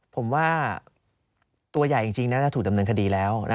ผมว่าตัวใหญ่จริงน่าจะถูกดำเนินคดีแล้ว